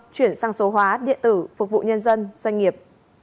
chuyển sang số hóa điện tử phục vụ nhân dân doanh nghiệp